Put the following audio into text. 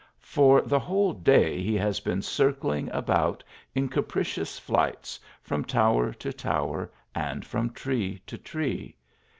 For the whole day he has been circling about in capricious flights, from tower to tower and from tree to tree.